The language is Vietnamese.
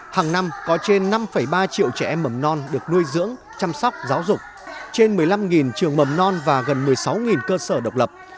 hàng năm có trên năm ba triệu trẻ em mầm non được nuôi dưỡng chăm sóc giáo dục trên một mươi năm trường mầm non và gần một mươi sáu cơ sở độc lập